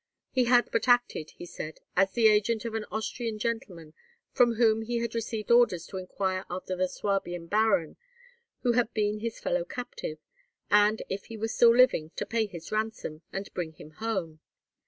He had but acted, he said, as the agent of an Austrian gentleman, from whom he had received orders to inquire after the Swabian baron who had been his fellow captive, and, if he were still living, to pay his ransom, and bring him home.